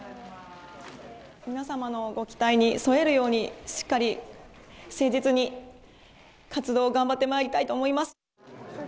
皆様のご期待に沿えるように、しっかり誠実に活動を頑張ってまいりたいと思います。